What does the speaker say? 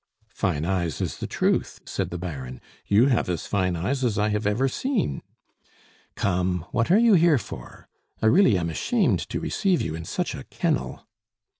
"Fine eyes is the truth," said the Baron; "you have as fine eyes as I have ever seen " "Come, what are you here for? I really am ashamed to receive you in such a kennel."